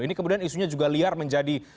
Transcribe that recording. ini kemudian isunya juga liar menjadi